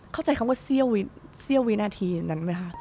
เข้าใจคำว่าเสี้ยววินาทีนั้นไหมคะ